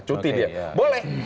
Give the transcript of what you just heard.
cuti dia boleh